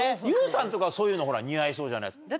ＹＯＵさんとかそういうの似合いそうじゃないですか。